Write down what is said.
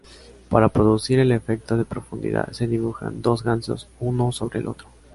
Para producir el efecto de profundidad, se dibujan dos gansos uno sobre el otro.